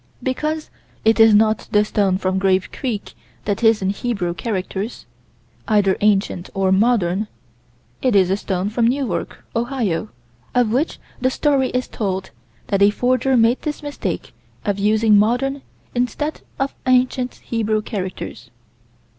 Because it is not the stone from Grave Creek that is in Hebrew characters, either ancient or modern: it is a stone from Newark, Ohio, of which the story is told that a forger made this mistake of using modern instead of ancient Hebrew characters.